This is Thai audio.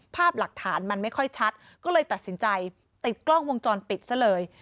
ภาพหลักฐานมันไม่ค่อยชัดก็เลยตัดสินใจติดกล้องวงจรปิดซะเลย